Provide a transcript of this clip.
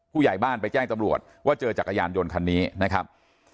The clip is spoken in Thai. ผู้ใหญ่บ้านไปแจ้งตำรวจว่าเจอจักรยานยนต์คันนี้นะครับ